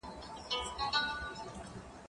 هغه وويل چي بازار ګټور دی،